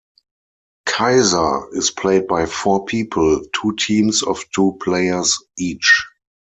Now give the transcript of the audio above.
Kaiser is played by four people: two teams of two players each.